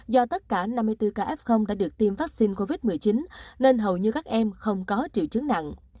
do tất cả năm mươi bốn k đã được tiêm vaccine covid một mươi chín nên hầu như các em không có triệu chứng nặng